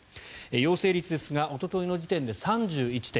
陽性率ですがおとといの時点で３１．１％。